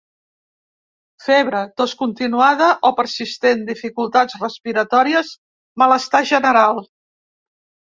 Febre, tos continuada o persistent, dificultats respiratòries, malestar general.